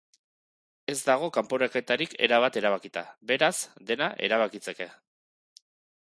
Ez dago kanporaketarik erabat erabakita, beraz, dena erabakitzeke.